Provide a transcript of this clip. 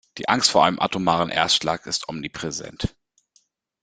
Die Angst vor einem atomaren Erstschlag ist omnipräsent.